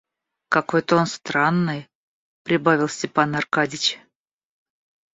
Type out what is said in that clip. Какой-то он странный, — прибавил Степан Аркадьич.